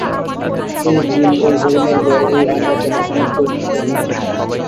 এই ঝিল, এই হরিণের ঘর, এই আমড়াতলা, সমস্তই তাতে থাকত।